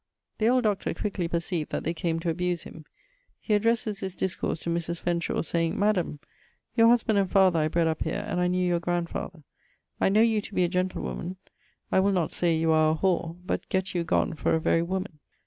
The old Dr. quickly perceived that they came to abuse him; he addresses his discourse to Mris. Fenshawe, saying, 'Madam, your husband[M] and father I bred up here, and I knew your grandfather; I know you to be a gentlewoman, I will not say you are a whore; but gett you gonne for a very woman.'